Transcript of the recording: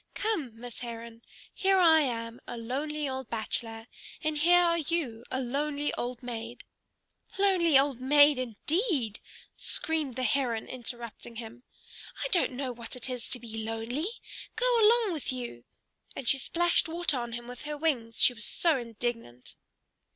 Come, Miss Heron! Here I am a lonely old bachelor, and here are you a lonely old maid" "Lonely old maid, indeed!" screamed the Heron interrupting him. "I don't know what it is to be lonely. Go along with you!" and she splashed water on him with her wings, she was so indignant.